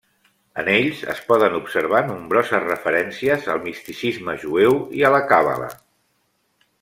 En ells es poden observar nombroses referències al misticisme jueu i a la Càbala.